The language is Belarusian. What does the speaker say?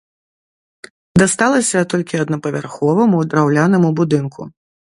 Дасталася толькі аднапавярховаму драўлянаму будынку.